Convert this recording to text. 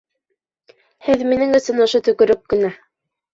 — Һеҙ минең өсөн ошо төкөрөк кенә!